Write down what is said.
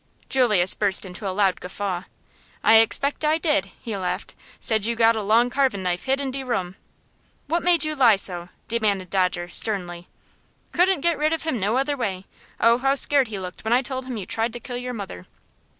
Julius burst into a loud guffaw. "I expect I did," he laughed. "Said you'd got a long carvin' knife hid in de room." "What made you lie so?" demanded Dodger, sternly. "Couldn't get rid of him no other way. Oh, how scared he looked when I told him you tried to kill your mother."